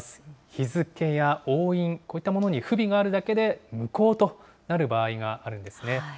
日付や押印、こういったものに不備があるだけで無効となる場合があるんですね。